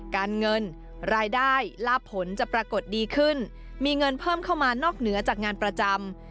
การเงินรายได้ลาบผลจะปรากฏดีขึ้นมีเงินเพิ่มเข้ามานอกเหนือจากงานประจำ